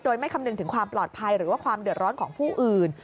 โดยไม่คำนึงถึงความปลอดภัยหรือว่าความเดือดร้อนของผู้อื่น